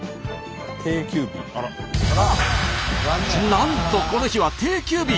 なんとこの日は定休日！